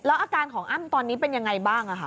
อาการของอ้ำตอนนี้เป็นยังไงบ้าง